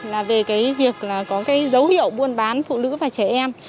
là về cái việc là có cái dấu hiệu buôn bán phụ nữ và trẻ em